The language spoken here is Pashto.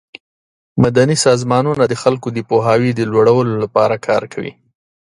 مدني سازمانونه د خلکو د پوهاوي د لوړولو لپاره کار کوي.